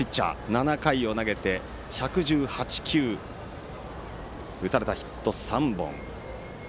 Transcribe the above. ７回を投げて１１８球打たれたヒットは３本。